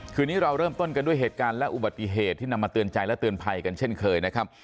คืนนี้เราเริ่มต้นกันด้วยเหตุการณ์และอุบัติเหตุที่นำมาเตือนใจและเตือนภัยกันเช่นเคยนะครับ